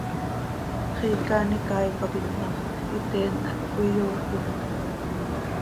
Xiica an icaai pac itnaft, iteen hac cöiyopofc.